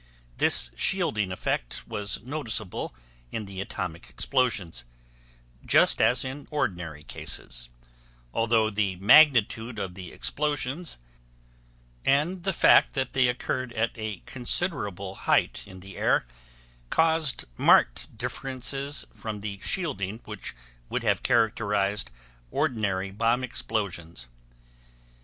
This shielding effect was noticeable in the atomic explosions, just as in ordinary cases, although the magnitude of the explosions and the fact that they occurred at a considerable height in the air caused marked differences from the shielding which would have characterized ordinary bomb explosions.